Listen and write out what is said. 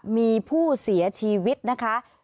มีผู้เสียชีวิตนะคะ